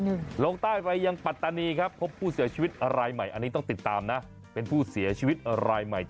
ลงใต้ไปยังปัตตานีครับพบผู้เสียชีวิตรายใหม่อันนี้ต้องติดตามนะเป็นผู้เสียชีวิตรายใหม่